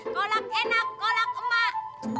kolak enak kolak emah